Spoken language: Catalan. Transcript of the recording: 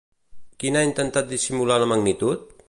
Qui n'ha intentat dissimular la magnitud?